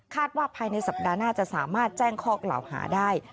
ว่าภายในสัปดาห์หน้าจะสามารถแจ้งข้อกล่าวหาได้